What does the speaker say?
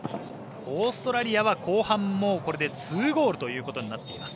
オーストラリアは後半２ゴールということになっています。